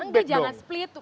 enggak jangan split